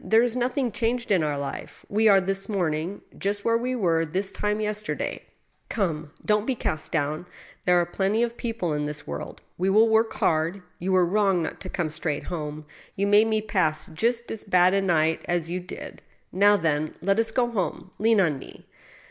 There is nothing changed in our life ; we are this morning just where we were this time yester day. Come, don't be cast down, ... there are plenty of kind peo ple in this world. We will work hard. You were wrong not to come straight home. You made me pass just as bad a night as you did. Now, then, let us go home. Lean on me.